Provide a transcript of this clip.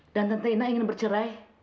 dan tante ina ingin bercerai